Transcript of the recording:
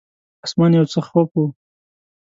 اسمان یو څه خوپ و.